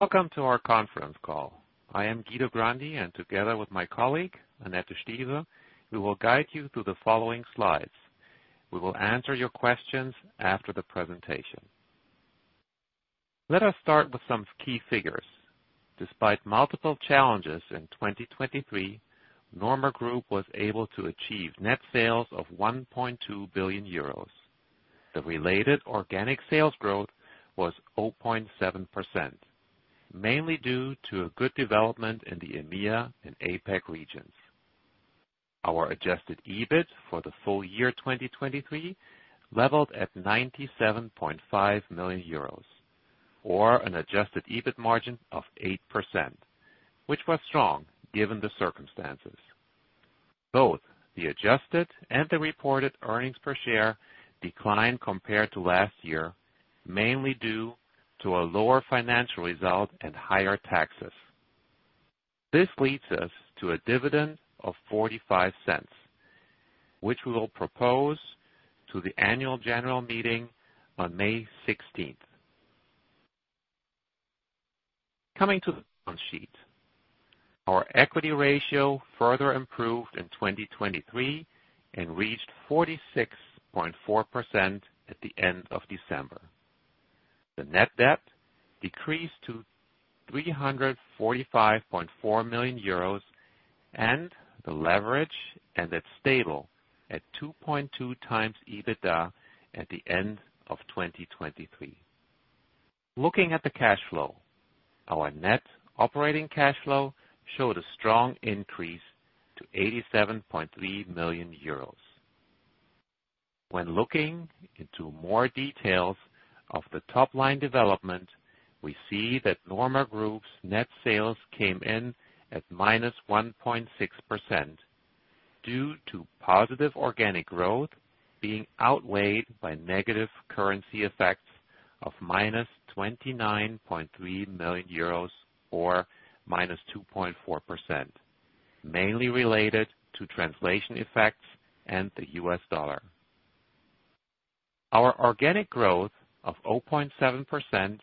Welcome to our conference call. I am Guido Grandi, and together with my colleague, Annette Stieve, we will guide you through the following slides. We will answer your questions after the presentation. Let us start with some key figures. Despite multiple challenges in 2023, NORMA Group was able to achieve net sales of 1.2 billion euros. The related organic sales growth was 0.7%, mainly due to a good development in the EMEA and APEC regions. Our adjusted EBIT for the full year 2023 leveled at 97.5 million euros, or an adjusted EBIT margin of 8%, which was strong given the circumstances. Both the adjusted and the reported earnings per share declined compared to last year, mainly due to a lower financial result and higher taxes. This leads us to a dividend of 0.45, which we will propose to the annual general meeting on May 16. Coming to the balance sheet, our equity ratio further improved in 2023 and reached 46.4% at the end of December. The net debt decreased to 345.4 million euros, and the leverage ended stable at 2.2x EBITDA at the end of 2023. Looking at the cash flow, our net operating cash flow showed a strong increase to 87.3 million euros. When looking into more details of the top-line development, we see that NORMA Group's net sales came in at -1.6% due to positive organic growth being outweighed by negative currency effects of minus 29.3 million euros, or -2.4%, mainly related to translation effects and the U.S. dollar. Our organic growth of 0.7%,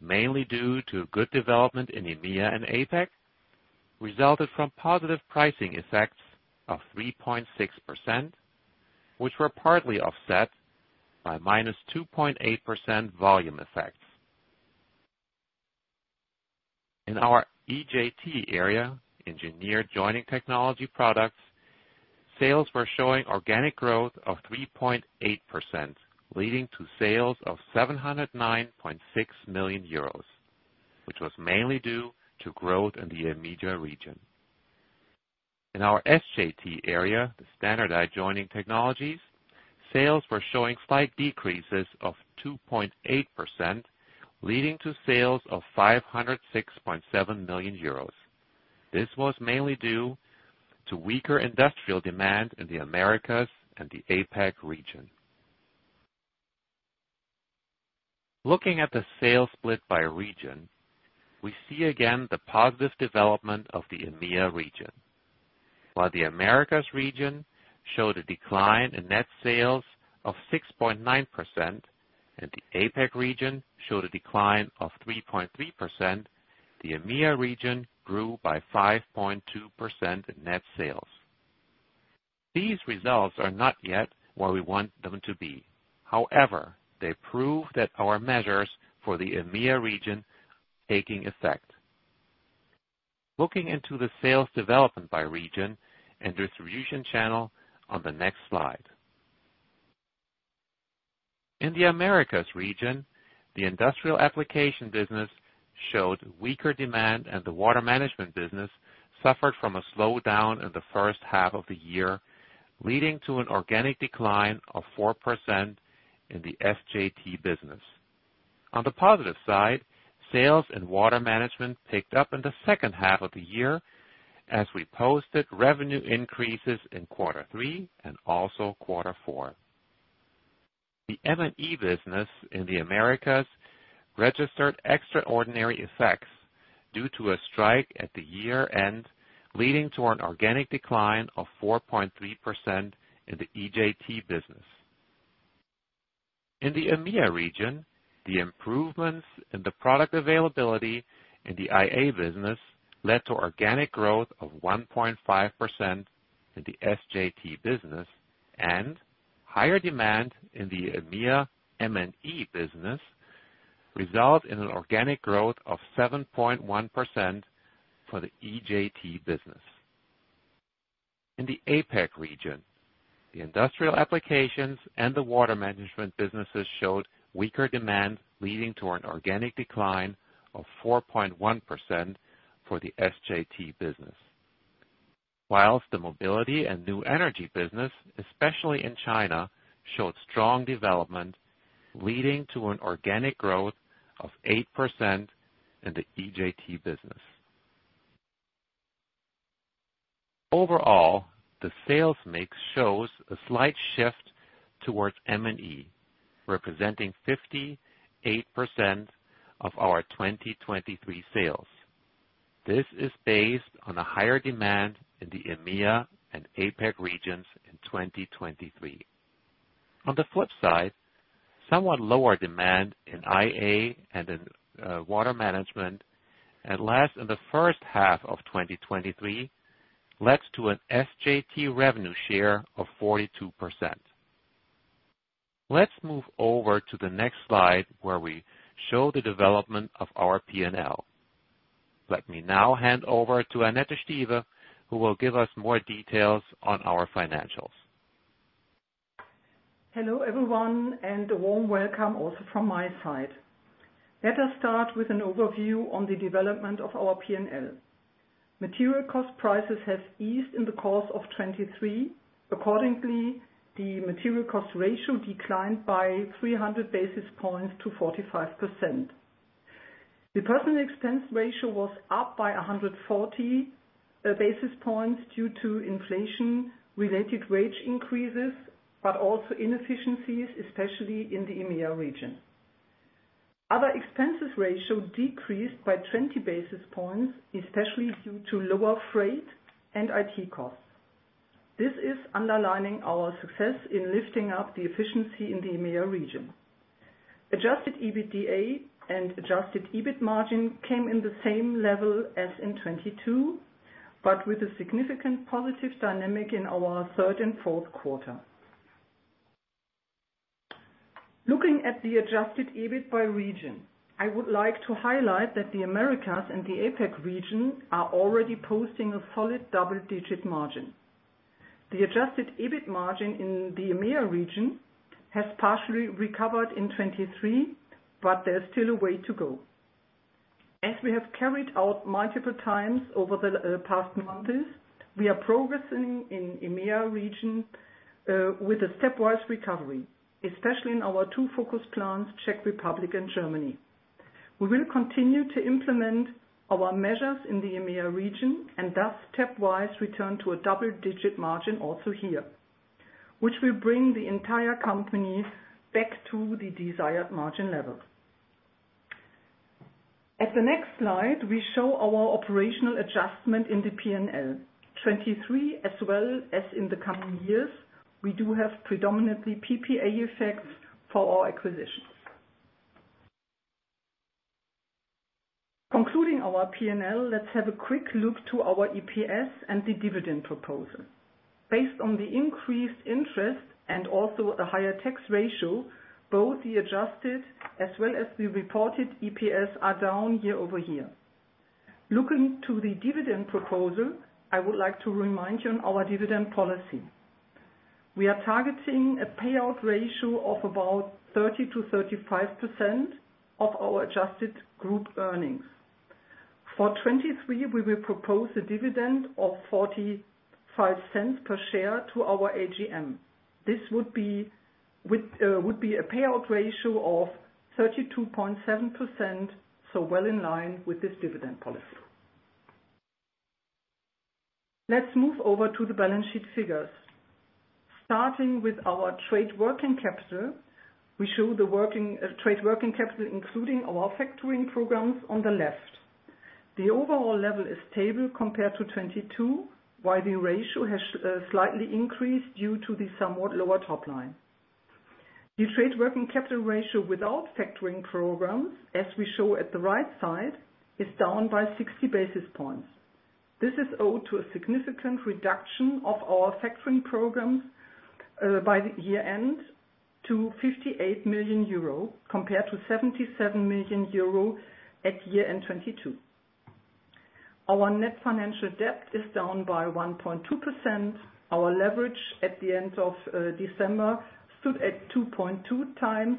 mainly due to good development in EMEA and APEC, resulted from positive pricing effects of 3.6%, which were partly offset by -2.8% volume effects. In our EJT area, engineered joining technology products, sales were showing organic growth of 3.8%, leading to sales of 709.6 million euros, which was mainly due to growth in the EMEA region. In our SJT area, the standardized joining technologies, sales were showing slight decreases of 2.8%, leading to sales of 506.7 million euros. This was mainly due to weaker industrial demand in the Americas and the APEC region. Looking at the sales split by region, we see again the positive development of the EMEA region. While the Americas region showed a decline in net sales of 6.9% and the APEC region showed a decline of 3.3%, the EMEA region grew by 5.2% in net sales. These results are not yet where we want them to be. However, they prove that our measures for the EMEA region are taking effect. Looking into the sales development by region and distribution channel on the next slide. In the Americas region, the industrial application business showed weaker demand, and the water management business suffered from a slowdown in the first half of the year, leading to an organic decline of 4% in the SJT business. On the positive side, sales in water management picked up in the second half of the year as we posted revenue increases in quarter three and also quarter four. The M&E business in the Americas registered extraordinary effects due to a strike at the year-end, leading to an organic decline of 4.3% in the EJT business. In the EMEA region, the improvements in the product availability in the IA business led to organic growth of 1.5% in the SJT business, and higher demand in the EMEA M&E business resulted in an organic growth of 7.1% for the EJT business. In the APEC region, the industrial applications and the water management businesses showed weaker demand, leading to an organic decline of 4.1% for the SJT business. While the mobility and new energy business, especially in China, showed strong development, leading to an organic growth of 8% in the EJT business. Overall, the sales mix shows a slight shift towards M&E, representing 58% of our 2023 sales. This is based on a higher demand in the EMEA and APEC regions in 2023. On the flip side, somewhat lower demand in IA and in Water Management, at least in the first half of 2023, led to an SJT revenue share of 42%. Let's move over to the next slide where we show the development of our P&L. Let me now hand over to Annette Stieve, who will give us more details on our financials. Hello everyone, and a warm welcome also from my side. Let us start with an overview on the development of our P&L. Material cost prices have eased in the course of 2023. Accordingly, the material cost ratio declined by 300 basis points to 45%. The personnel expense ratio was up by 140 basis points due to inflation-related wage increases, but also inefficiencies, especially in the EMEA region. Other expenses ratio decreased by 20 basis points, especially due to lower freight and IT costs. This is underlining our success in lifting up the efficiency in the EMEA region. Adjusted EBITDA and adjusted EBIT margin came in the same level as in 2022, but with a significant positive dynamic in our third and fourth quarter. Looking at the adjusted EBIT by region, I would like to highlight that the Americas and the APEC region are already posting a solid double-digit margin. The adjusted EBIT margin in the EMEA region has partially recovered in 2023, but there's still a way to go. As we have carried out multiple times over the past months, we are progressing in the EMEA region with a stepwise recovery, especially in our two focus plants, Czech Republic and Germany. We will continue to implement our measures in the EMEA region and thus stepwise return to a double-digit margin also here, which will bring the entire company back to the desired margin level. At the next slide, we show our operational adjustment in the P&L. 2023, as well as in the coming years, we do have predominantly PPA effects for our acquisitions. Concluding our P&L, let's have a quick look to our EPS and the dividend proposal. Based on the increased interest and also a higher tax ratio, both the adjusted as well as the reported EPS are down year-over-year. Looking to the dividend proposal, I would like to remind you on our dividend policy. We are targeting a payout ratio of about 30%-35% of our adjusted group earnings. For 2023, we will propose a dividend of 0.45 per share to our AGM. This would be a payout ratio of 32.7%, so well in line with this dividend policy. Let's move over to the balance sheet figures. Starting with our trade working capital, we show the trade working capital including our factoring programs on the left. The overall level is stable compared to 2022, while the ratio has slightly increased due to the somewhat lower top line. The trade working capital ratio without factoring programs, as we show at the right side, is down by 60 basis points. This is owed to a significant reduction of our factoring programs by the year-end to 58 million euro, compared to 77 million euro at year-end 2022. Our net financial debt is down by 1.2%. Our leverage at the end of December stood at 2.2 times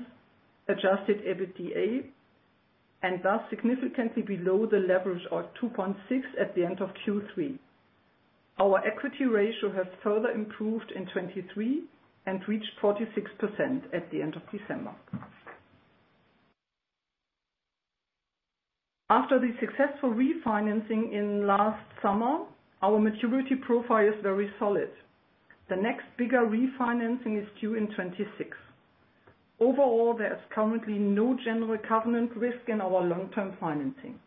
Adjusted EBITDA and thus significantly below the leverage of 2.6 at the end of Q3. Our equity ratio has further improved in 2023 and reached 46% at the end of December. After the successful refinancing in last summer, our maturity profile is very solid. The next bigger refinancing is due in 2026. Overall, there is currently no general covenant risk in our long-term financing.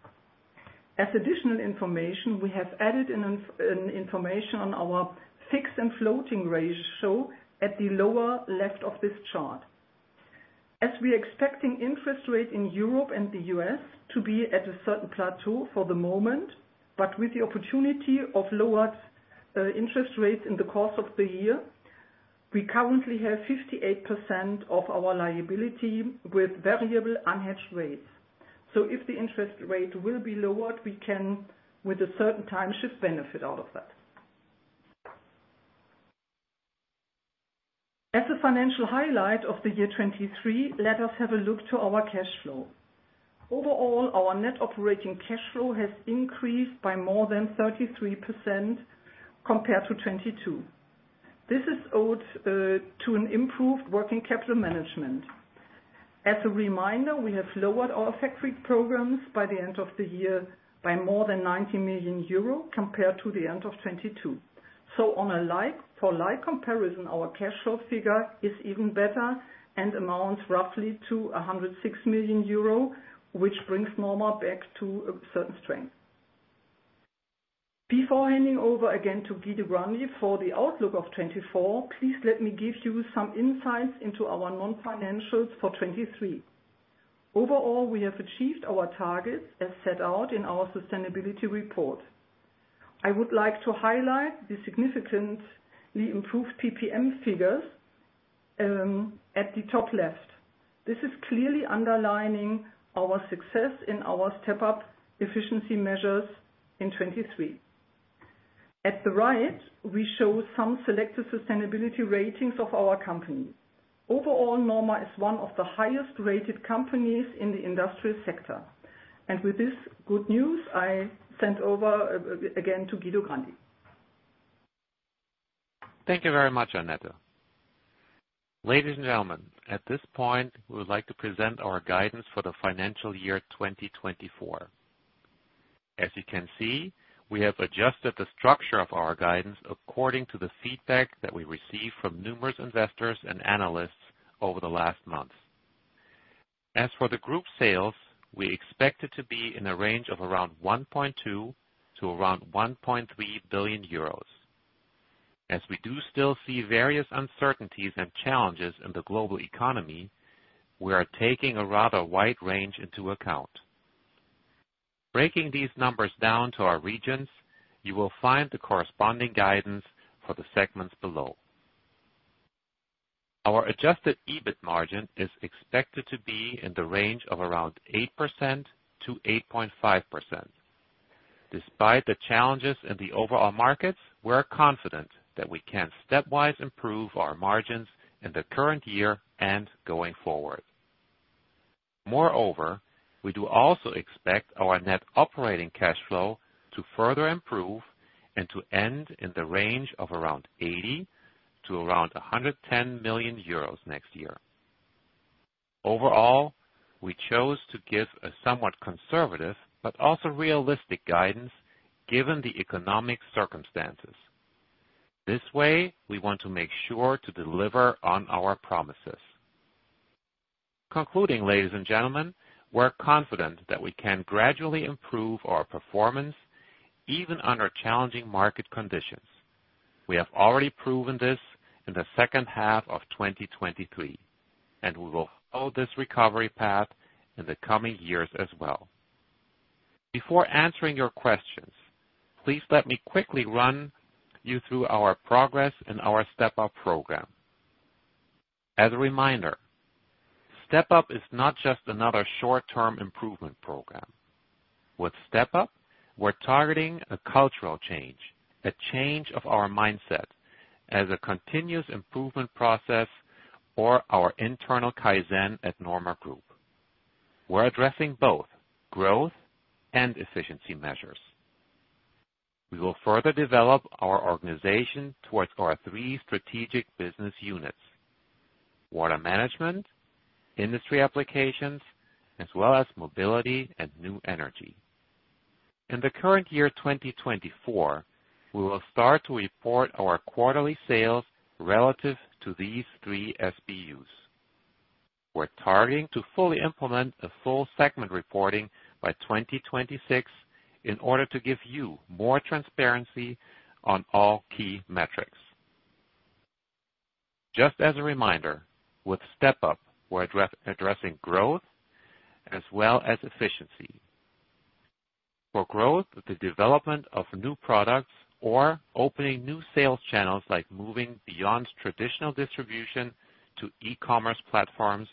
As additional information, we have added information on our fixed and floating ratio at the lower left of this chart. As we are expecting interest rates in Europe and the U.S. to be at a certain plateau for the moment, but with the opportunity of lowered interest rates in the course of the year, we currently have 58% of our liability with variable unhedged rates. So if the interest rate will be lowered, we can, with a certain timeshift, benefit out of that. As a financial highlight of the year 2023, let us have a look to our cash flow. Overall, our net operating cash flow has increased by more than 33% compared to 2022. This is owed to an improved working capital management. As a reminder, we have lowered our factoring programs by the end of the year by more than 90 million euro compared to the end of 2022. On a like-for-like comparison, our cash flow figure is even better and amounts roughly to 106 million euro, which brings NORMA back to a certain strength. Before handing over again to Guido Grandi for the outlook of 2024, please let me give you some insights into our non-financials for 2023. Overall, we have achieved our targets as set out in our sustainability report. I would like to highlight the significantly improved PPM figures at the top left. This is clearly underlining our success in our Step-Up efficiency measures in 2023. At the right, we show some selected sustainability ratings of our company. Overall, NORMA is one of the highest rated companies in the industrial sector. With this good news, I send over again to Guido Grandi. Thank you very much, Annette. Ladies and gentlemen, at this point, we would like to present our guidance for the financial year 2024. As you can see, we have adjusted the structure of our guidance according to the feedback that we received from numerous investors and analysts over the last months. As for the group sales, we expect it to be in a range of around 1.2 billion-around 1.3 billion euros. As we do still see various uncertainties and challenges in the global economy, we are taking a rather wide range into account. Breaking these numbers down to our regions, you will find the corresponding guidance for the segments below. Our Adjusted EBIT margin is expected to be in the range of around 8%-8.5%. Despite the challenges in the overall markets, we are confident that we can stepwise improve our margins in the current year and going forward. Moreover, we do also expect our net operating cash flow to further improve and to end in the range of around 80 million-around 110 million euros next year. Overall, we chose to give a somewhat conservative but also realistic guidance given the economic circumstances. This way, we want to make sure to deliver on our promises. Concluding, ladies and gentlemen, we are confident that we can gradually improve our performance even under challenging market conditions. We have already proven this in the second half of 2023, and we will follow this recovery path in the coming years as well. Before answering your questions, please let me quickly run you through our progress in our Step Up program. As a reminder, Step Up is not just another short-term improvement program. With Step Up, we're targeting a cultural change, a change of our mindset as a continuous improvement process or our internal Kaizen at NORMA Group. We're addressing both growth and efficiency measures. We will further develop our organization towards our three strategic business units: Water Management, Industrial Applications, as well as Mobility and New Energy. In the current year 2024, we will start to report our quarterly sales relative to these three SBUs. We're targeting to fully implement a full segment reporting by 2026 in order to give you more transparency on all key metrics. Just as a reminder, with Step Up, we're addressing growth as well as efficiency. For growth, the development of new products or opening new sales channels like moving beyond traditional distribution to e-commerce platforms,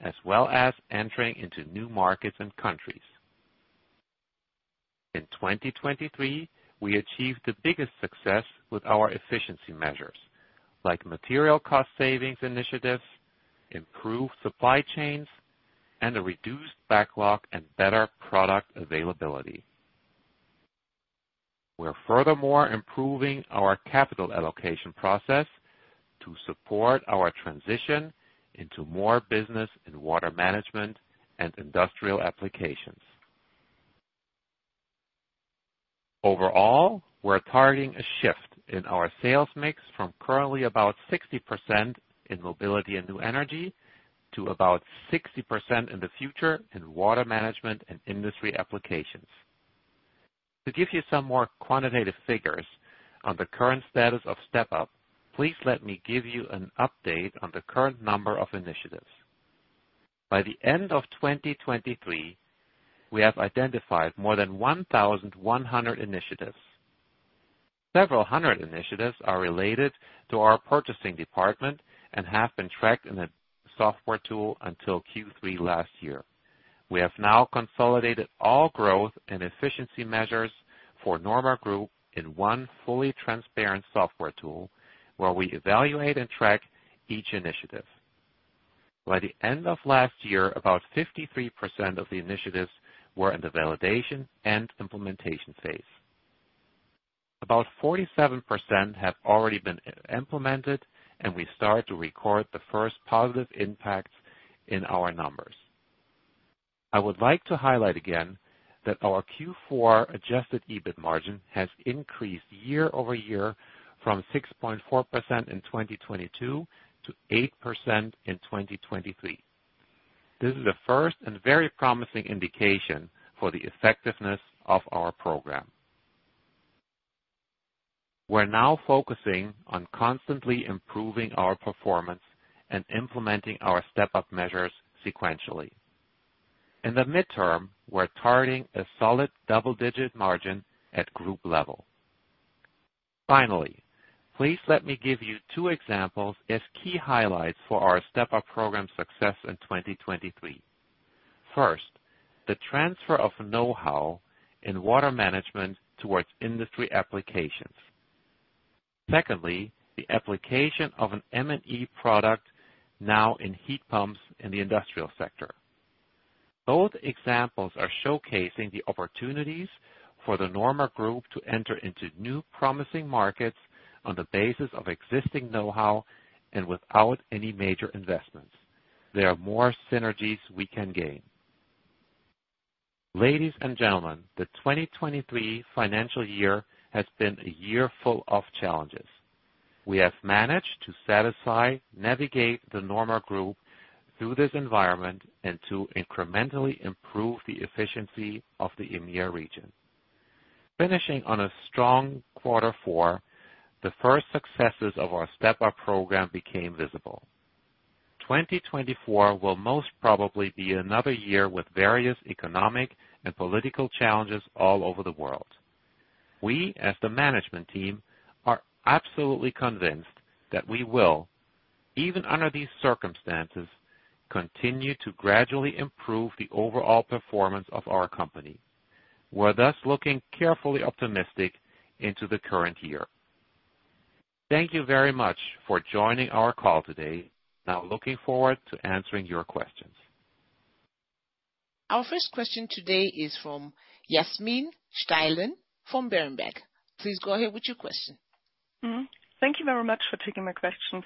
as well as entering into new markets and countries. In 2023, we achieved the biggest success with our efficiency measures like material cost savings initiatives, improved supply chains, and a reduced backlog and better product availability. We're furthermore improving our capital allocation process to support our transition into more business in Water Management and Industrial Applications. Overall, we're targeting a shift in our sales mix from currently about 60% in Mobility and New Energy to about 60% in the future in Water Management and Industrial Applications. To give you some more quantitative figures on the current status of Step Up, please let me give you an update on the current number of initiatives. By the end of 2023, we have identified more than 1,100 initiatives. Several hundred initiatives are related to our purchasing department and have been tracked in a software tool until Q3 last year. We have now consolidated all growth and efficiency measures for NORMA Group in one fully transparent software tool where we evaluate and track each initiative. By the end of last year, about 53% of the initiatives were in the validation and implementation phase. About 47% have already been implemented, and we start to record the first positive impacts in our numbers. I would like to highlight again that our Q4 Adjusted EBIT margin has increased year-over-year from 6.4% in 2022 to 8% in 2023. This is a first and very promising indication for the effectiveness of our program. We're now focusing on constantly improving our performance and implementing our Step Up measures sequentially. In the midterm, we're targeting a solid double-digit margin at group level. Finally, please let me give you two examples as key highlights for our Step Up program success in 2023. First, the transfer of know-how in water management towards industry applications. Secondly, the application of an M&E product now in heat pumps in the industrial sector. Both examples are showcasing the opportunities for the NORMA Group to enter into new promising markets on the basis of existing know-how and without any major investments. There are more synergies we can gain. Ladies and gentlemen, the 2023 financial year has been a year full of challenges. We have managed to satisfy, navigate the NORMA Group through this environment, and to incrementally improve the efficiency of the EMEA region. Finishing on a strong quarter four, the first successes of our Step Up program became visible. 2024 will most probably be another year with various economic and political challenges all over the world. We, as the management team, are absolutely convinced that we will, even under these circumstances, continue to gradually improve the overall performance of our company. We're thus looking carefully optimistic into the current year. Thank you very much for joining our call today. Now, looking forward to answering your questions. Our first question today is from Yasmin Steilen from Berenberg. Please go ahead with your question. Thank you very much for taking my questions.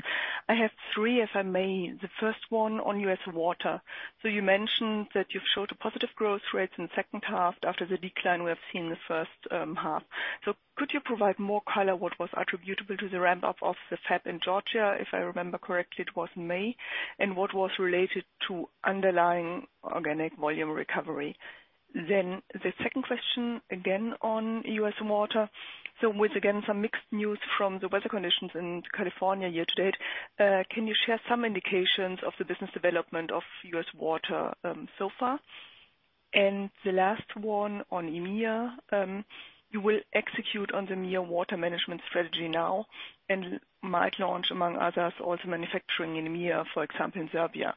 I have three, if I may. The first one on U.S. water. So you mentioned that you've showed a positive growth rate in the second half after the decline we have seen in the first half. So could you provide more color what was attributable to the ramp-up of the FAB in Georgia? If I remember correctly, it was in May. And what was related to underlying organic volume recovery? Then the second question, again, on U.S. water. So with, again, some mixed news from the weather conditions in California year to date, can you share some indications of the business development of U.S. water so far? And the last one on EMEA. You will execute on the EMEA water management strategy now and might launch, among others, also manufacturing in EMEA, for example, in Serbia.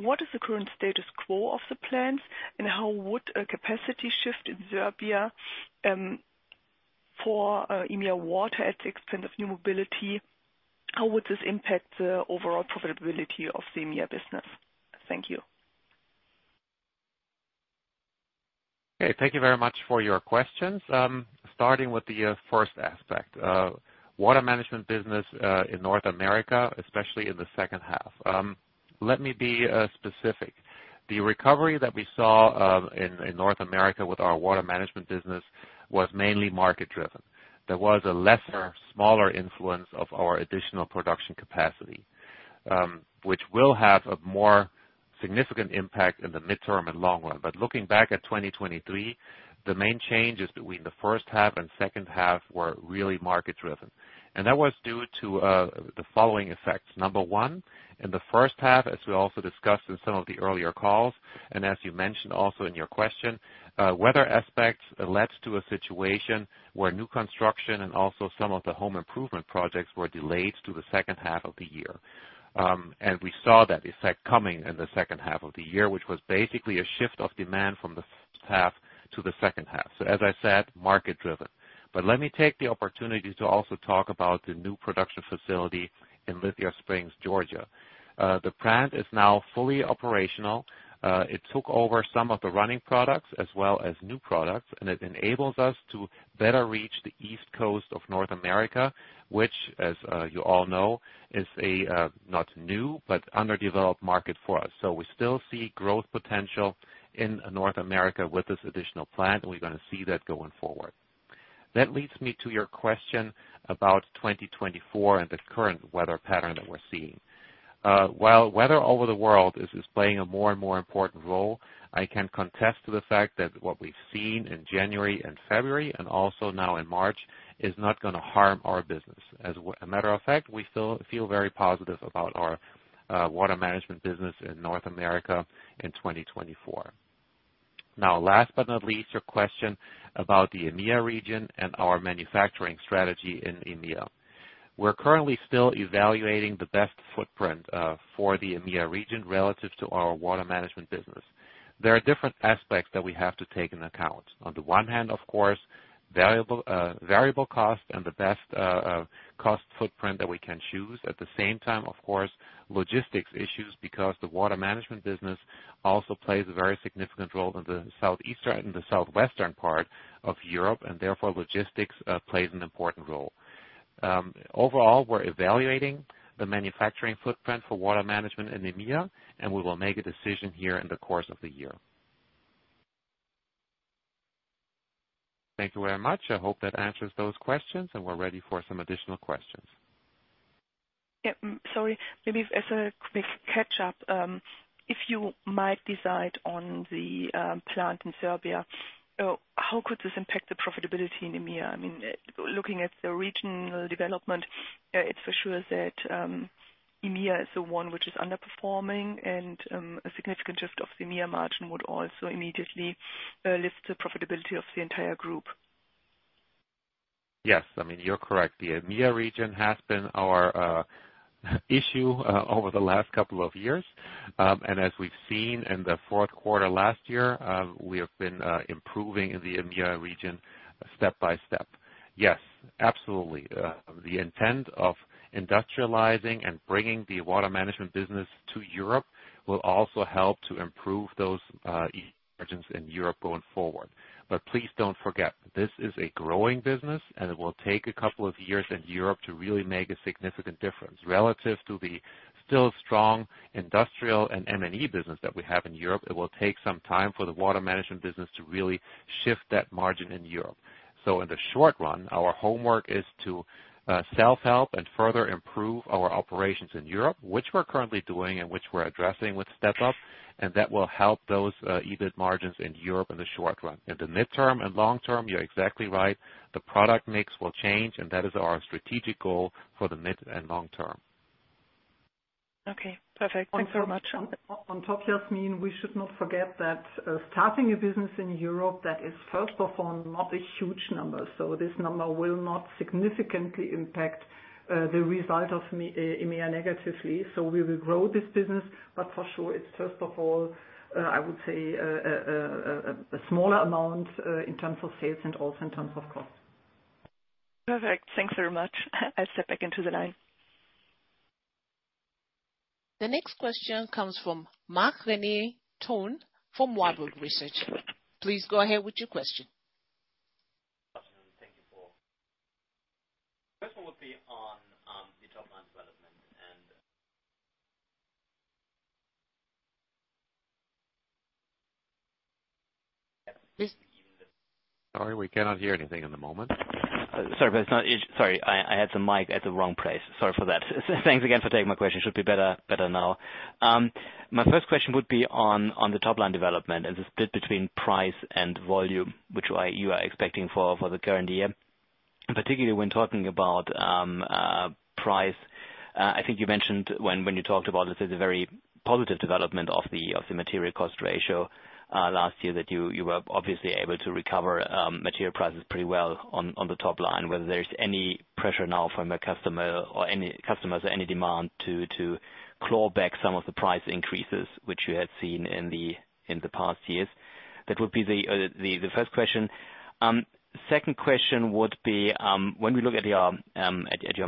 What is the current status quo of the plans, and how would a capacity shift in Serbia for EMEA water at the expense of new mobility? How would this impact the overall profitability of the EMEA business? Thank you. Okay. Thank you very much for your questions. Starting with the first aspect, water management business in North America, especially in the second half. Let me be specific. The recovery that we saw in North America with our water management business was mainly market-driven. There was a lesser, smaller influence of our additional production capacity, which will have a more significant impact in the midterm and long run. But looking back at 2023, the main changes between the first half and second half were really market-driven. And that was due to the following effects. Number one, in the first half, as we also discussed in some of the earlier calls and as you mentioned also in your question, weather aspects led to a situation where new construction and also some of the home improvement projects were delayed to the second half of the year. We saw that effect coming in the second half of the year, which was basically a shift of demand from the first half to the second half. So as I said, market-driven. But let me take the opportunity to also talk about the new production facility in Lithi Springs, Georgia. The plant is now fully operational. It took over some of the running products as well as new products, and it enables us to better reach the East Coast of North America, which, as you all know, is a, not new, but underdeveloped market for us. So we still see growth potential in North America with this additional plant, and we're going to see that going forward. That leads me to your question about 2024 and the current weather pattern that we're seeing. While weather all over the world is playing a more and more important role, I can attest to the fact that what we've seen in January and February and also now in March is not going to harm our business. As a matter of fact, we feel very positive about our water management business in North America in 2024. Now, last but not least, your question about the EMEA region and our manufacturing strategy in EMEA. We're currently still evaluating the best footprint for the EMEA region relative to our water management business. There are different aspects that we have to take into account. On the one hand, of course, variable cost and the best cost footprint that we can choose. At the same time, of course, logistics issues because the water management business also plays a very significant role in the southeastern and the southwestern part of Europe, and therefore, logistics plays an important role. Overall, we're evaluating the manufacturing footprint for water management in EMEA, and we will make a decision here in the course of the year. Thank you very much. I hope that answers those questions, and we're ready for some additional questions. Yep. Sorry. Maybe as a quick catch-up, if you might decide on the plant in Serbia, how could this impact the profitability in EMEA? I mean, looking at the regional development, it's for sure that EMEA is the one which is underperforming, and a significant shift of the EMEA margin would also immediately lift the profitability of the entire group. Yes. I mean, you're correct. The EMEA region has been our issue over the last couple of years. And as we've seen in the fourth quarter last year, we have been improving in the EMEA region step by step. Yes, absolutely. The intent of industrializing and bringing the Water Management business to Europe will also help to improve those margins in Europe going forward. But please don't forget, this is a growing business, and it will take a couple of years in Europe to really make a significant difference. Relative to the still strong industrial and M&E business that we have in Europe, it will take some time for the Water Management business to really shift that margin in Europe. So in the short run, our homework is to self-help and further improve our operations in Europe, which we're currently doing and which we're addressing with Step Up, and that will help those EBIT margins in Europe in the short run. In the midterm and long term, you're exactly right. The product mix will change, and that is our strategic goal for the mid and long term. Okay. Perfect. Thanks so much. On top, Yasmin, we should not forget that starting a business in Europe, that is, first of all, not a huge number. So this number will not significantly impact the result of EMEA negatively. So we will grow this business, but for sure, it's first of all, I would say, a smaller amount in terms of sales and also in terms of cost. Perfect. Thanks very much. I'll step back into the line. The next question comes from Marc-René Tonn from Warburg Research. Please go ahead with your question. First one would be on the top line development and even. Sorry. We cannot hear anything in the moment. Sorry, but it's not sorry. I had the mic at the wrong place. Sorry for that. Thanks again for taking my question. It should be better now. My first question would be on the top line development and the split between price and volume, which you are expecting for the current year. And particularly when talking about price, I think you mentioned when you talked about, let's say, the very positive development of the material cost ratio last year that you were obviously able to recover material prices pretty well on the top line. Whether there's any pressure now from a customer or any customers or any demand to claw back some of the price increases, which you had seen in the past years, that would be the first question. Second question would be, when we look at your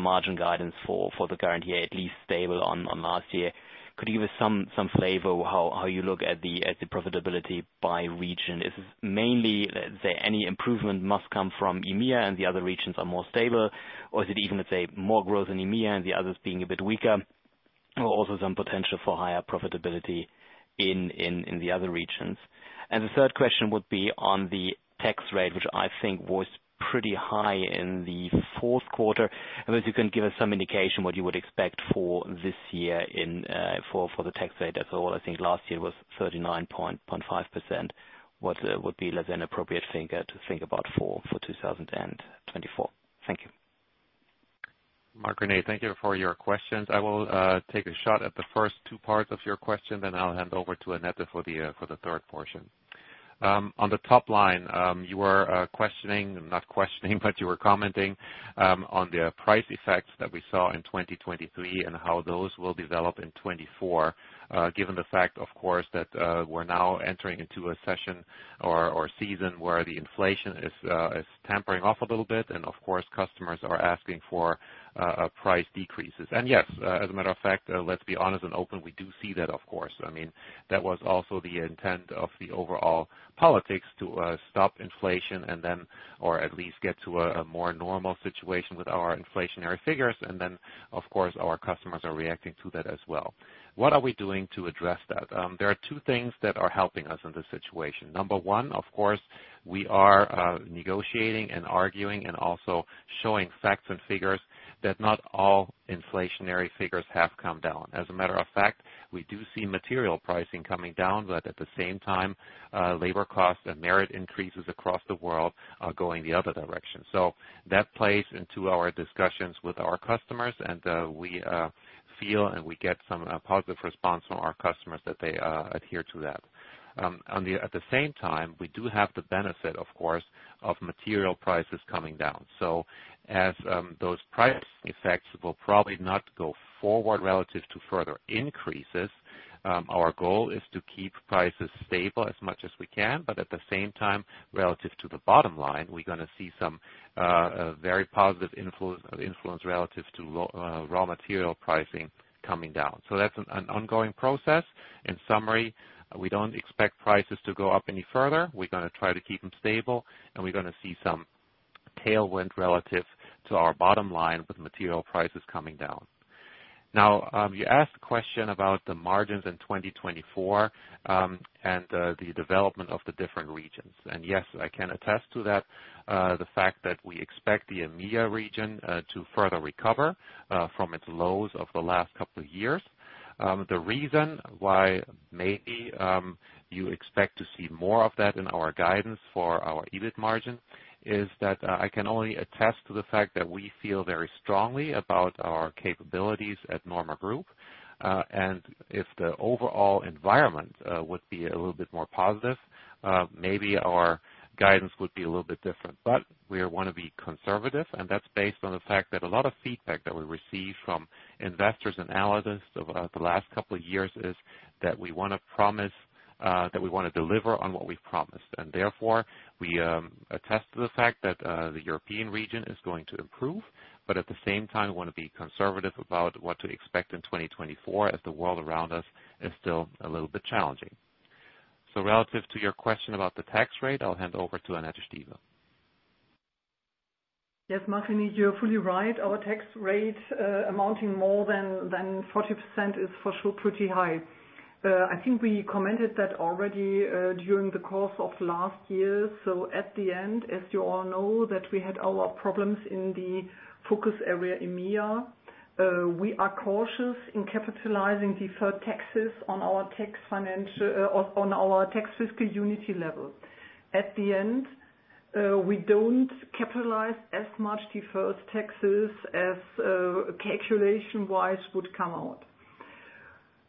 margin guidance for the current year, at least stable on last year, could you give us some flavor how you look at the profitability by region? Is it mainly, let's say, any improvement must come from EMEA, and the other regions are more stable, or is it even, let's say, more growth in EMEA and the others being a bit weaker, or also some potential for higher profitability in the other regions? And the third question would be on the tax rate, which I think was pretty high in the fourth quarter. If you can give us some indication what you would expect for this year for the tax rate as a whole? I think last year it was 39.5%. What would be, let's say, an appropriate figure to think about for 2024? Thank you. Marc-René, thank you for your questions. I will take a shot at the first two parts of your question, then I'll hand over to Annette for the third portion. On the top line, you were questioning not questioning, but you were commenting on the price effects that we saw in 2023 and how those will develop in 2024, given the fact, of course, that we're now entering into a season where the inflation is tapering off a little bit, and of course, customers are asking for price decreases. And yes, as a matter of fact, let's be honest and open, we do see that, of course. I mean, that was also the intent of the overall policy to stop inflation and then or at least get to a more normal situation with our inflationary figures. And then, of course, our customers are reacting to that as well. What are we doing to address that? There are two things that are helping us in this situation. Number one, of course, we are negotiating and arguing and also showing facts and figures that not all inflationary figures have come down. As a matter of fact, we do see material pricing coming down, but at the same time, labor costs and merit increases across the world are going the other direction. So that plays into our discussions with our customers, and we feel and we get some positive response from our customers that they adhere to that. At the same time, we do have the benefit, of course, of material prices coming down. So as those price effects will probably not go forward relative to further increases, our goal is to keep prices stable as much as we can. But at the same time, relative to the bottom line, we're going to see some very positive influence relative to raw material pricing coming down. So that's an ongoing process. In summary, we don't expect prices to go up any further. We're going to try to keep them stable, and we're going to see some tailwind relative to our bottom line with material prices coming down. Now, you asked a question about the margins in 2024 and the development of the different regions. And yes, I can attest to that, the fact that we expect the EMEA region to further recover from its lows of the last couple of years. The reason why maybe you expect to see more of that in our guidance for our EBIT margin is that I can only attest to the fact that we feel very strongly about our capabilities at NORMA Group. If the overall environment would be a little bit more positive, maybe our guidance would be a little bit different. But we want to be conservative, and that's based on the fact that a lot of feedback that we receive from investors and analysts of the last couple of years is that we want to promise that we want to deliver on what we've promised. And therefore, we attest to the fact that the European region is going to improve, but at the same time, we want to be conservative about what to expect in 2024 as the world around us is still a little bit challenging. So relative to your question about the tax rate, I'll hand over to Annette Stieve. Yes, Marc-René, you're fully right. Our tax rate amounting more than 40% is for sure pretty high. I think we commented that already during the course of last year. So at the end, as you all know, that we had our problems in the focus area EMEA, we are cautious in capitalizing the first taxes on our tax fiscal unity level. At the end, we don't capitalize as much the first taxes as calculation-wise would come out.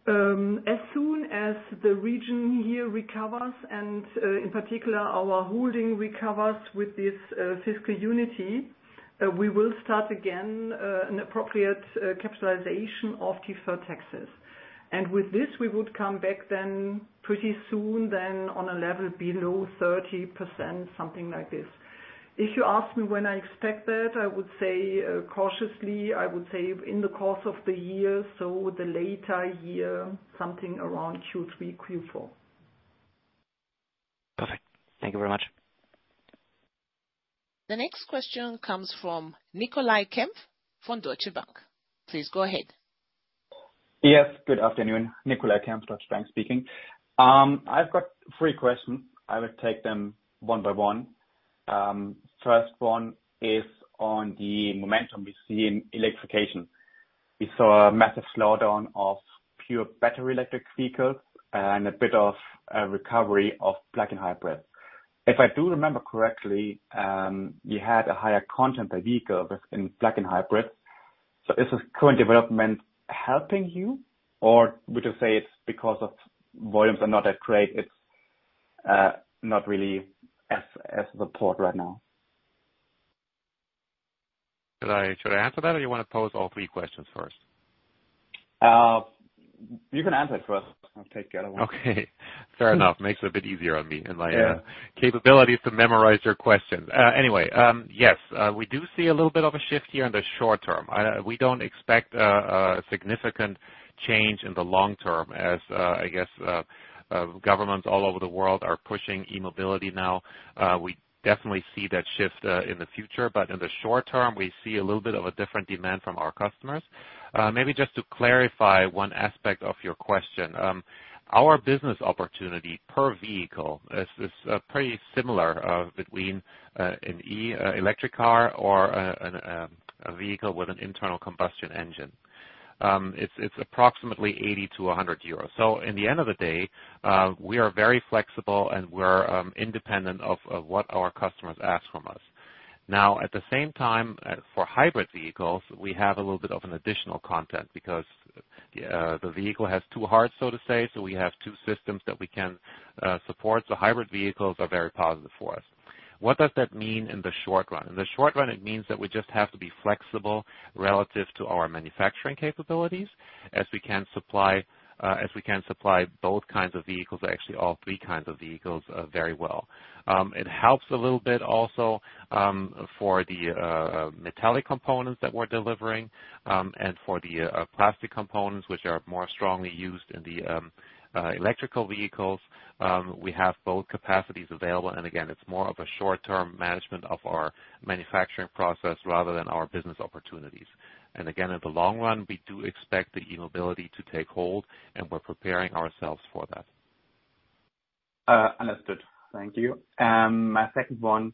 As soon as the region here recovers, and in particular, our holding recovers with this fiscal unity, we will start again an appropriate capitalization of the first taxes. And with this, we would come back then pretty soon then on a level below 30%, something like this. If you ask me when I expect that, I would say cautiously, I would say in the course of the year, so the later year, something around Q3, Q4. Perfect. Thank you very much. The next question comes from Nicolai Kempf from Deutsche Bank. Please go ahead. Yes. Good afternoon. Nicolai Kempf, Deutsche Bank speaking. I've got three questions. I will take them one by one. First one is on the momentum we see in electrification. We saw a massive slowdown of pure battery electric vehicles and a bit of recovery of plug-in hybrids. If I do remember correctly, you had a higher content per vehicle in plug-in hybrids. So is this current development helping you, or would you say it's because volumes are not that great, it's not really as support right now? Should I answer that, or do you want to pose all three questions first? You can answer it first. I'll take the other one. Okay. Fair enough. Makes it a bit easier on me and my capabilities to memorize your questions. Anyway, yes, we do see a little bit of a shift here in the short term. We don't expect a significant change in the long term as, I guess, governments all over the world are pushing e-mobility now. We definitely see that shift in the future, but in the short term, we see a little bit of a different demand from our customers. Maybe just to clarify one aspect of your question, our business opportunity per vehicle is pretty similar between an electric car or a vehicle with an internal combustion engine. It's approximately 80-100 euros. So in the end of the day, we are very flexible, and we're independent of what our customers ask from us. Now, at the same time, for hybrid vehicles, we have a little bit of an additional content because the vehicle has two hearts, so to say. So we have two systems that we can support. So hybrid vehicles are very positive for us. What does that mean in the short run? In the short run, it means that we just have to be flexible relative to our manufacturing capabilities as we can supply both kinds of vehicles, actually all three kinds of vehicles, very well. It helps a little bit also for the metallic components that we're delivering and for the plastic components, which are more strongly used in the electric vehicles. We have both capacities available. And again, it's more of a short-term management of our manufacturing process rather than our business opportunities. And again, in the long run, we do expect the e-mobility to take hold, and we're preparing ourselves for that. Understood. Thank you. My second one,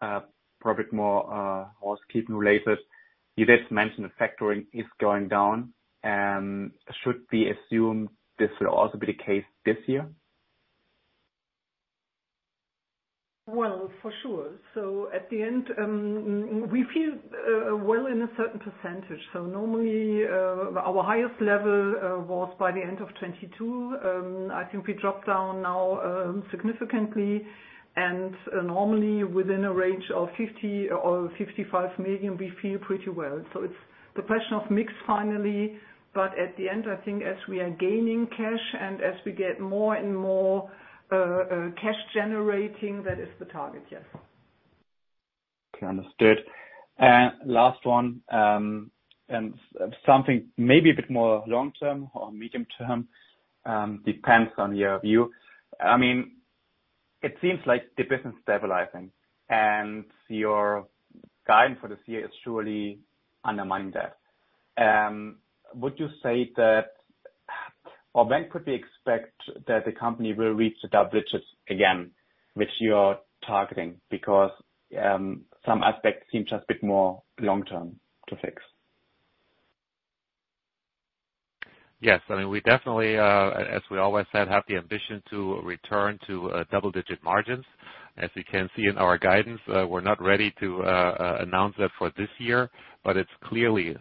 probably more housekeeping-related, you did mention the factoring is going down. Should we assume this will also be the case this year? Well, for sure. So at the end, we feel well in a certain percentage. So normally, our highest level was by the end of 2022. I think we dropped down now significantly. And normally, within a range of 50 million-55 million, we feel pretty well. So it's the question of mix finally. But at the end, I think as we are gaining cash and as we get more and more cash generating, that is the target, yes. Okay. Understood. Last one, and something maybe a bit more long-term or medium-term, depends on your view. I mean, it seems like the business is stabilizing, and your guidance for this year is surely undermining that. Would you say that or when could we expect that the company will reach the double digits again, which you're targeting, because some aspects seem just a bit more long-term to fix? Yes. I mean, we definitely, as we always said, have the ambition to return to double-digit margins. As you can see in our guidance, we're not ready to announce that for this year, but it's clearly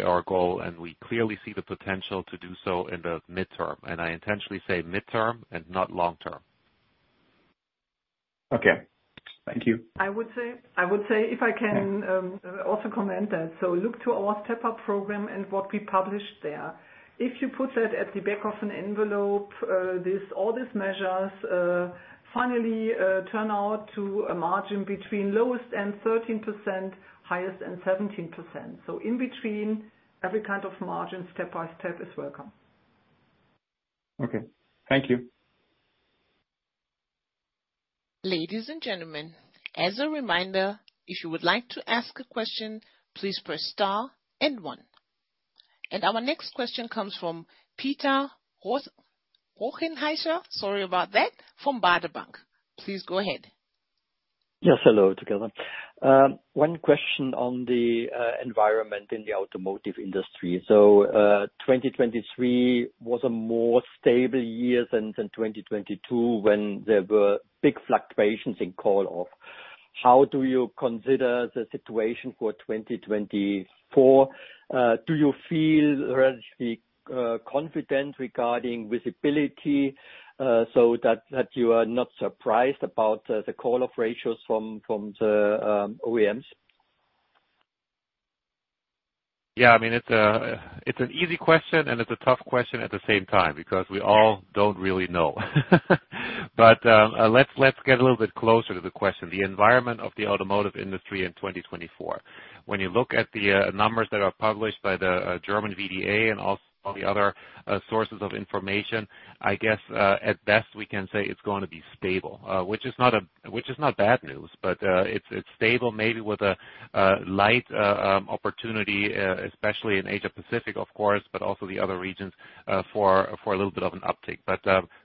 our goal, and we clearly see the potential to do so in the midterm. And I intentionally say midterm and not long-term. Okay. Thank you. I would say if I can also comment that. So look to our Step Up program and what we published there. If you put that at the back of an envelope, all these measures finally turn out to a margin between low 13% and high 17%. So in between, every kind of margin, step by step, is welcome. Okay. Thank you. Ladies and gentlemen, as a reminder, if you would like to ask a question, please press star and one. Our next question comes from Peter Rothenaicher, sorry about that, from Baader Bank. Please go ahead. Yes. Hello together. One question on the environment in the automotive industry. So 2023 was a more stable year than 2022 when there were big fluctuations in call-off. How do you consider the situation for 2024? Do you feel relatively confident regarding visibility so that you are not surprised about the call-off ratios from the OEMs? Yeah. I mean, it's an easy question, and it's a tough question at the same time because we all don't really know. But let's get a little bit closer to the question, the environment of the automotive industry in 2024. When you look at the numbers that are published by the German VDA and also all the other sources of information, I guess at best we can say it's going to be stable, which is not bad news, but it's stable maybe with a light opportunity, especially in Asia-Pacific, of course, but also the other regions for a little bit of an uptick. But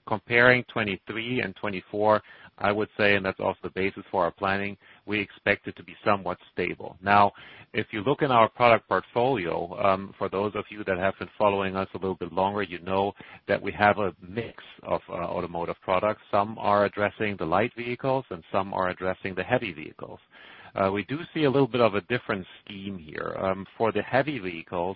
comparing 2023 and 2024, I would say, and that's also the basis for our planning, we expect it to be somewhat stable. Now, if you look in our product portfolio, for those of you that have been following us a little bit longer, you know that we have a mix of automotive products. Some are addressing the light vehicles, and some are addressing the heavy vehicles. We do see a little bit of a different scheme here. For the heavy vehicles,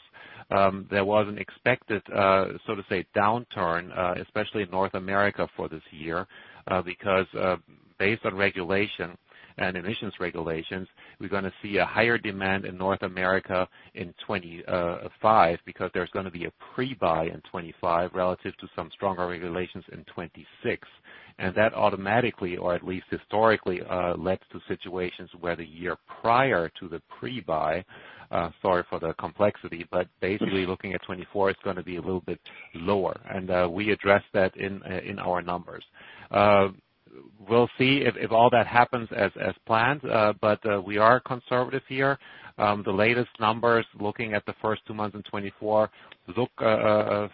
there was an expected, so to say, downturn, especially in North America for this year because based on regulation and emissions regulations, we're going to see a higher demand in North America in 2025 because there's going to be a pre-buy in 2025 relative to some stronger regulations in 2026. And that automatically, or at least historically, led to situations where the year prior to the pre-buy sorry for the complexity, but basically looking at 2024, it's going to be a little bit lower. And we address that in our numbers. We'll see if all that happens as planned, but we are conservative here. The latest numbers looking at the first two months in 2024 look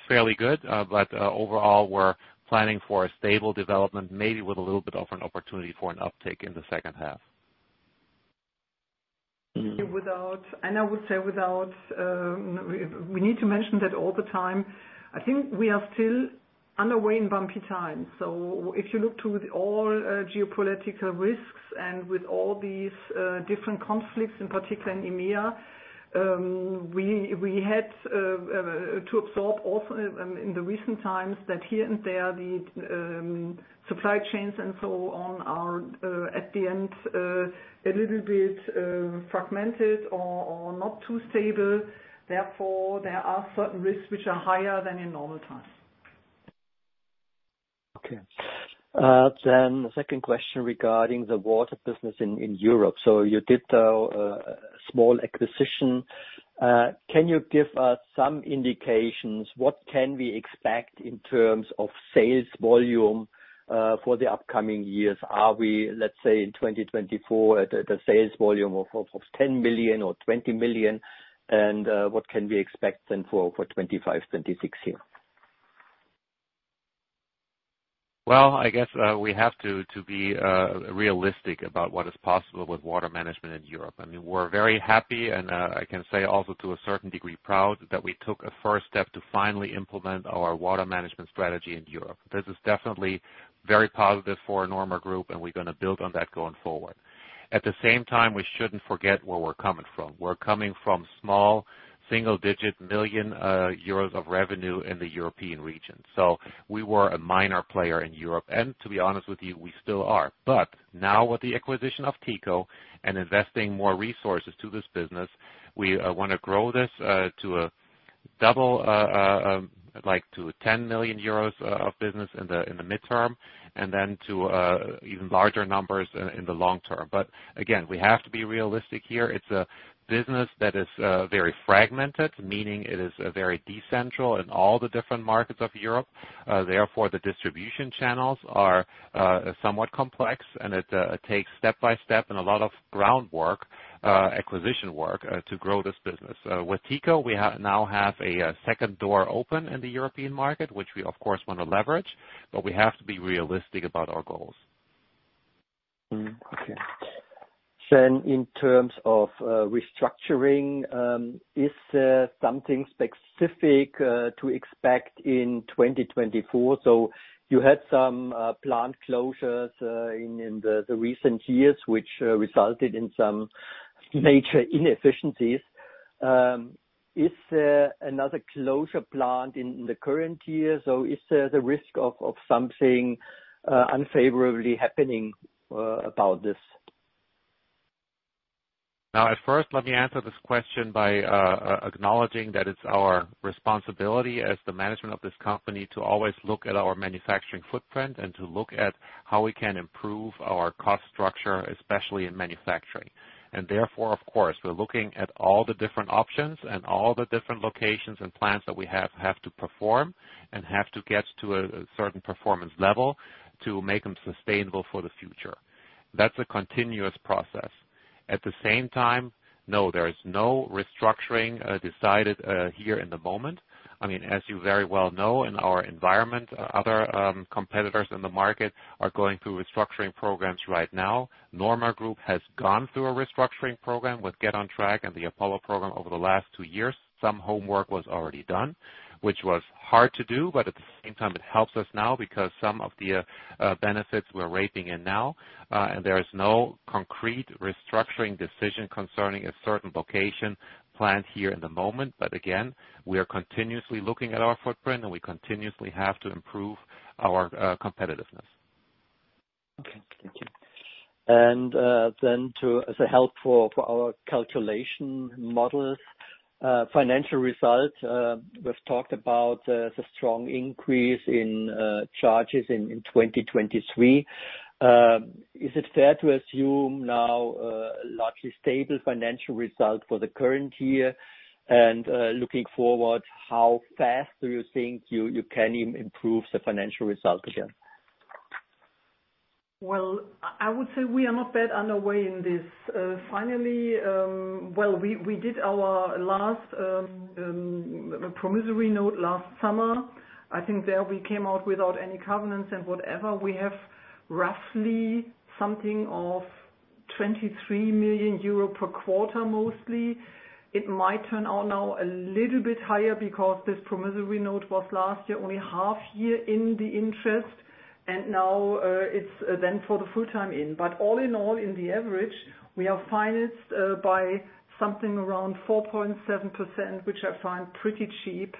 fairly good, but overall, we're planning for a stable development, maybe with a little bit of an opportunity for an uptick in the second half. I would say without we need to mention that all the time. I think we are still underway in bumpy times. If you look to all geopolitical risks and with all these different conflicts, in particular in EMEA, we had to absorb also in the recent times that here and there, the supply chains and so on are, at the end, a little bit fragmented or not too stable. Therefore, there are certain risks which are higher than in normal times. Okay. Then second question regarding the water business in Europe. So you did, though, a small acquisition. Can you give us some indications? What can we expect in terms of sales volume for the upcoming years? Are we, let's say, in 2024, at a sales volume of 10 million or 20 million? And what can we expect then for 2025, 2026 here? Well, I guess we have to be realistic about what is possible with water management in Europe. I mean, we're very happy, and I can say also to a certain degree proud that we took a first step to finally implement our water management strategy in Europe. This is definitely very positive for NORMA Group, and we're going to build on that going forward. At the same time, we shouldn't forget where we're coming from. We're coming from small, single-digit million EUR of revenue in the European region. So we were a minor player in Europe, and to be honest with you, we still are. But now with the acquisition of Teco and investing more resources to this business, we want to grow this to a double to 10 million euros of business in the midterm and then to even larger numbers in the long term. But again, we have to be realistic here. It's a business that is very fragmented, meaning it is very decentralized in all the different markets of Europe. Therefore, the distribution channels are somewhat complex, and it takes step by step and a lot of groundwork, acquisition work, to grow this business. With Teco, we now have a second door open in the European market, which we, of course, want to leverage, but we have to be realistic about our goals. Okay. Then in terms of restructuring, is there something specific to expect in 2024? So you had some plant closures in the recent years, which resulted in some major inefficiencies. Is there another closure planned in the current year? So is there the risk of something unfavorably happening about this? Now, at first, let me answer this question by acknowledging that it's our responsibility as the management of this company to always look at our manufacturing footprint and to look at how we can improve our cost structure, especially in manufacturing. Therefore, of course, we're looking at all the different options and all the different locations and plants that we have to perform and have to get to a certain performance level to make them sustainable for the future. That's a continuous process. At the same time, no, there is no restructuring decided here in the moment. I mean, as you very well know, in our environment, other competitors in the market are going through restructuring programs right now. NORMA Group has gone through a restructuring program with Get On Track and the Apollo program over the last two years. Some homework was already done, which was hard to do, but at the same time, it helps us now because some of the benefits we're reaping in now. And there is no concrete restructuring decision concerning a certain location planned here in the moment. But again, we are continuously looking at our footprint, and we continuously have to improve our competitiveness. Okay. Thank you. And then as a help for our calculation models, financial result, we've talked about the strong increase in charges in 2023. Is it fair to assume now a largely stable financial result for the current year? And looking forward, how fast do you think you can improve the financial result again? Well, I would say we are not bad underway in this. Finally, well, we did our last promissory note last summer. I think there we came out without any covenants and whatever. We have roughly something of 23 million euro per quarter mostly. It might turn out now a little bit higher because this promissory note was last year only half year in the interest, and now it's then for the full-time in. But all in all, in the average, we are financed by something around 4.7%, which I find pretty cheap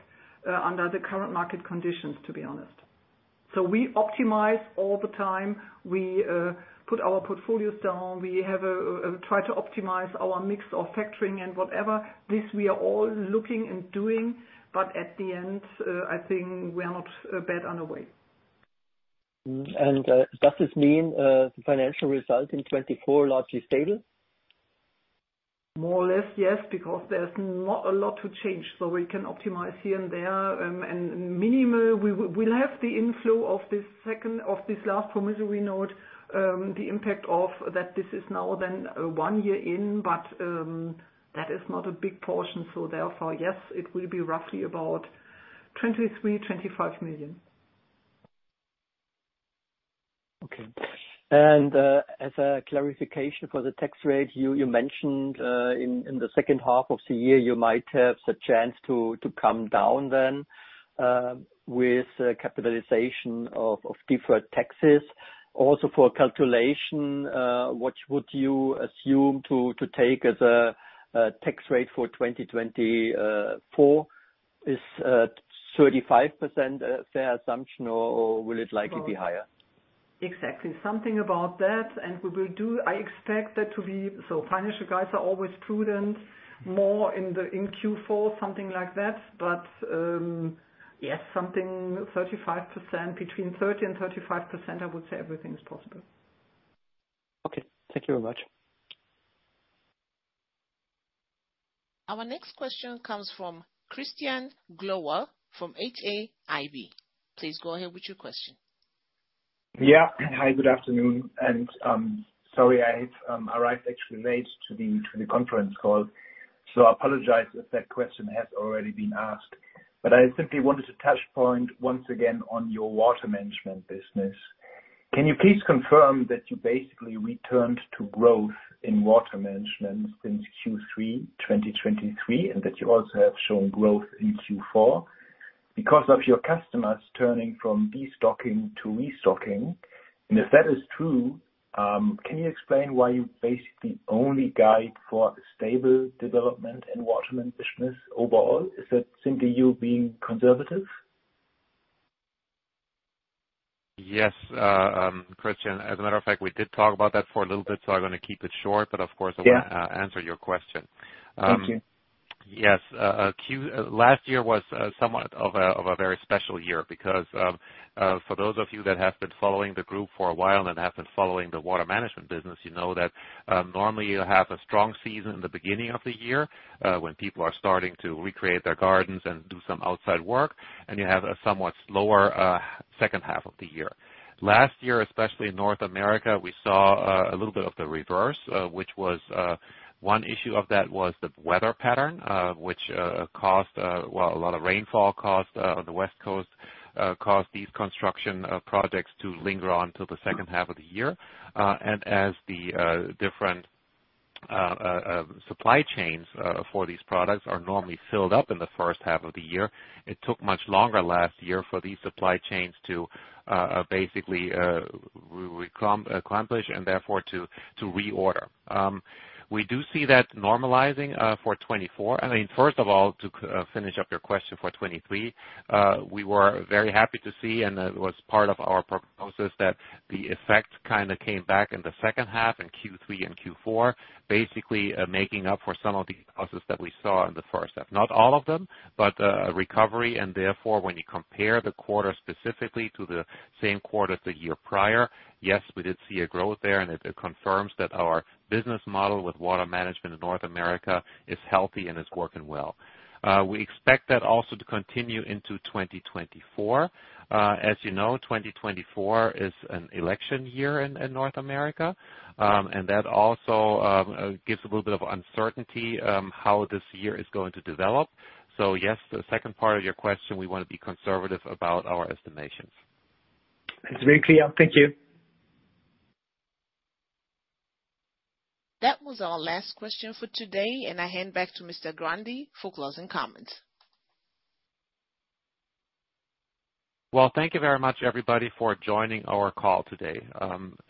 under the current market conditions, to be honest. So we optimize all the time. We put our portfolios down. We try to optimize our mix of factoring and whatever. This we are all looking and doing. But at the end, I think we are not bad underway. Does this mean the financial result in 2024 largely stable? More or less, yes, because there's not a lot to change. So we can optimize here and there. And minimal, we'll have the inflow of this last promissory note, the impact of that this is now then one year in, but that is not a big portion. So therefore, yes, it will be roughly about 23 million-25 million. Okay. And as a clarification for the tax rate, you mentioned in the second half of the year, you might have the chance to come down then with capitalization of different taxes. Also for calculation, what would you assume to take as a tax rate for 2024? Is 35% a fair assumption, or will it likely be higher? Exactly. Something about that. And we will do I expect that to be so financial guys are always prudent, more in Q4, something like that. But yes, something 35%, between 30% and 35%, I would say everything is possible. Okay. Thank you very much. Our next question comes from Christian Glowa from Ha-ib. Please go ahead with your question. Yeah. Hi. Good afternoon. Sorry, I have arrived actually late to the conference call. I apologize if that question has already been asked. I simply wanted to touch point once again on your water management business. Can you please confirm that you basically returned to growth in water management since Q3, 2023, and that you also have shown growth in Q4 because of your customers turning from destocking to restocking? And if that is true, can you explain why you basically only guide for stable development in water management overall? Is it simply you being conservative? Yes, Christian. As a matter of fact, we did talk about that for a little bit, so I'm going to keep it short. But of course, I want to answer your question. Thank you. Yes. Last year was somewhat of a very special year because for those of you that have been following the group for a while and have been following the water management business, you know that normally, you'll have a strong season in the beginning of the year when people are starting to recreate their gardens and do some outside work, and you have a somewhat slower second half of the year. Last year, especially in North America, we saw a little bit of the reverse, which was one issue of that was the weather pattern, which caused well, a lot of rainfall caused on the West Coast caused these construction projects to linger on till the second half of the year. As the different supply chains for these products are normally filled up in the first half of the year, it took much longer last year for these supply chains to basically accomplish and therefore to reorder. We do see that normalizing for 2024. And I mean, first of all, to finish up your question for 2023, we were very happy to see, and it was part of our prognosis, that the effect kind of came back in the second half in Q3 and Q4, basically making up for some of the causes that we saw in the first half. Not all of them, but recovery. And therefore, when you compare the quarter specifically to the same quarter of the year prior, yes, we did see a growth there, and it confirms that our business model with water management in North America is healthy and is working well. We expect that also to continue into 2024. As you know, 2024 is an election year in North America, and that also gives a little bit of uncertainty how this year is going to develop. So yes, the second part of your question, we want to be conservative about our estimations. That's very clear. Thank you. That was our last question for today. I hand back to Mr. Grandi for closing comments. Well, thank you very much, everybody, for joining our call today.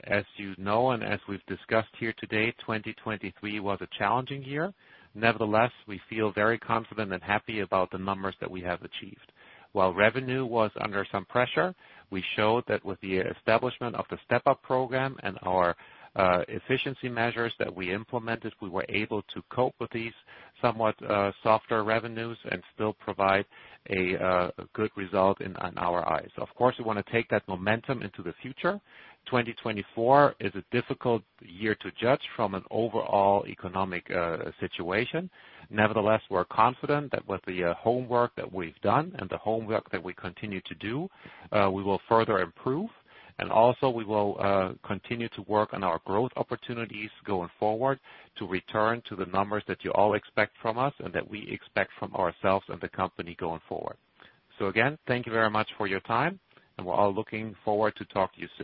As you know and as we've discussed here today, 2023 was a challenging year. Nevertheless, we feel very confident and happy about the numbers that we have achieved. While revenue was under some pressure, we showed that with the establishment of the Step Up program and our efficiency measures that we implemented, we were able to cope with these somewhat softer revenues and still provide a good result in our eyes. Of course, we want to take that momentum into the future. 2024 is a difficult year to judge from an overall economic situation. Nevertheless, we're confident that with the homework that we've done and the homework that we continue to do, we will further improve. And also, we will continue to work on our growth opportunities going forward to return to the numbers that you all expect from us and that we expect from ourselves and the company going forward. So again, thank you very much for your time, and we're all looking forward to talking to you soon.